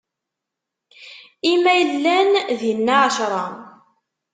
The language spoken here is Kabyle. i ma llan dinna ɛecṛa?